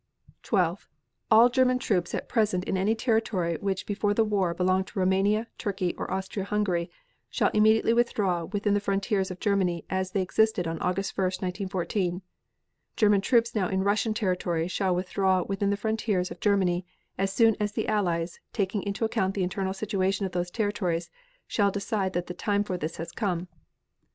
12. All German troops at present in any territory which before the war belonged to Roumania, Turkey or Austria Hungary shall immediately withdraw within the frontiers of Germany as they existed on August 1, 1914. German troops now in Russian territory shall withdraw within the frontiers of Germany, as soon as the Allies, taking into account the internal situation of those territories, shall decide that the time for this has come.